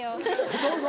どうぞ。